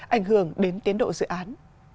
ảnh hưởng đến tiến độ dự án